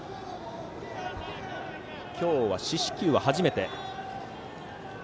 今日は、四死球は初めて。